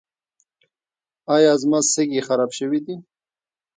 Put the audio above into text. ایا زما سږي خراب شوي دي؟